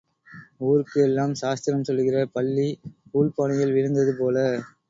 ஊருக்கு எல்லாம் சாஸ்திரம் சொல்லுகிற பல்லி, கூழ்ப் பானையில் விழுந்தது போல.